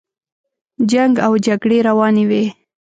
جنګ او جګړې روانې وې.